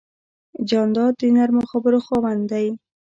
جانداد د نرمو خبرو خاوند دی.